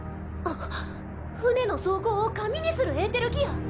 船の装甲を紙にするエーテルギア？